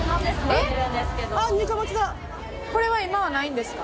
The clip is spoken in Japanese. これは今はないんですか？